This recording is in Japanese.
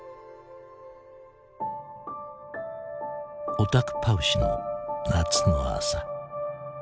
オタクパウシの夏の朝。